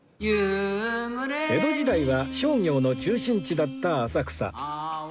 江戸時代は商業の中心地だった浅草